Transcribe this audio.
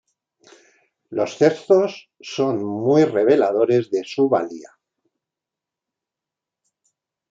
Los textos son muy reveladores de su valía.